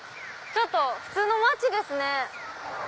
ちょっと普通の街ですね。